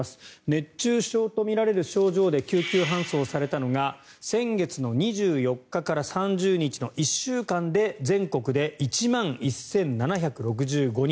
熱中症とみられる症状で救急搬送されたのが先月２４日から３０日の１週間で全国で１万１７６５人。